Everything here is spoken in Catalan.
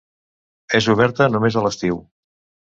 És oberta només a l'estiu.